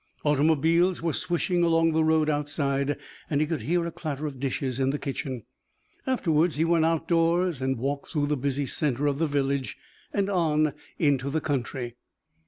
Automobiles were swishing along the road outside and he could hear a clatter of dishes in the kitchen. Afterwards he went out doors and walked through the busy centre of the village and on into the country.